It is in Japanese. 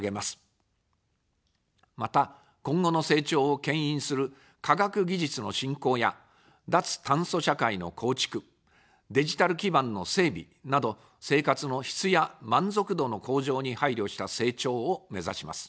また、今後の成長をけん引する科学技術の振興や脱炭素社会の構築、デジタル基盤の整備など、生活の質や満足度の向上に配慮した成長をめざします。